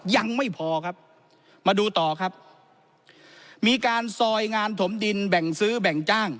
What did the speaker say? ยังไม่พอครับมาดูต่อครับมีการซอยงานถมดินแบ่งซื้อแบ่งจ้าง